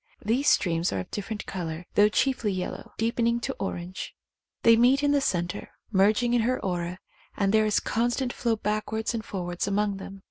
These streams are of differ ent colour, though chiefly yellow, deepening to orange. They meet in the centre, merging in her aura, and there is a constant flow back wards and forwards among them.